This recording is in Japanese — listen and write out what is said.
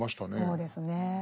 そうですね。